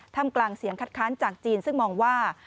ทำกลางเสียงคัดค้านจากจีนซึ่งมองว่า